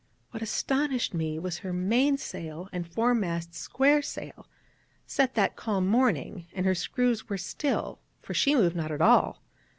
What astonished me was her main sail and fore mast square sail set that calm morning; and her screws were still, for she moved not at all.